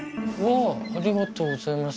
ありがとうございます。